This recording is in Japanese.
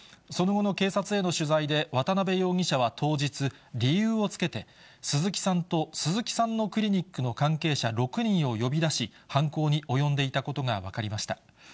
その後の警察への取材で、渡辺容疑者は当日、理由をつけて、鈴木さんと鈴木さんのクリニックの関係者６人を呼び出し、犯行に及んでいたことが分かりました。